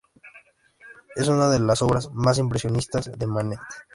Es una de las obras más impresionistas de Manet.